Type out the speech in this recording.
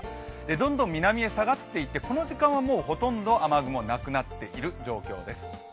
どんどん南へ下がっていって、この時間はもうほとんど雨雲なくなっているような状況です。